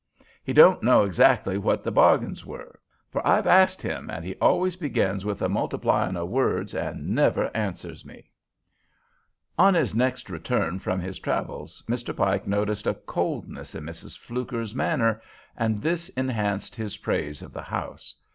He don't know exactly what the bargain were; for I've asked him, and he always begins with a multiplyin' of words and never answers me." On his next return from his travels Mr. Pike noticed a coldness in Mrs. Fluker's manner, and this enhanced his praise of the house.